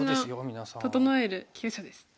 形の整える急所です。